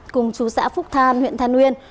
cùng chú xã phúc than huyện tân nguyên